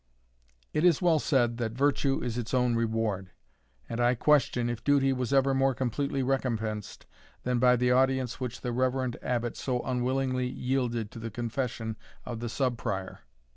It is well said that virtue is its own reward; and I question if duty was ever more completely recompensed, than by the audience which the reverend Abbot so unwillingly yielded to the confession of the Sub Prior.